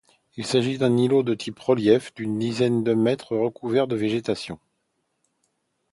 Il s'agit d'un îlot de type relief d'une dizaine de mètres recouvert de végétation.